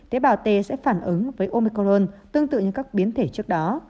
tế bào t sẽ phản ứng với omicrone tương tự như các biến thể trước đó